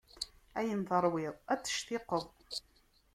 Ayen teṛwiḍ, ad t-tectiqeḍ.